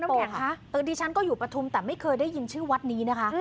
คุณน้ำเกียงดิฉันก็อยู่ปทุมแต่ไม่เคยได้ยินชื่อวัดนี้นะคะ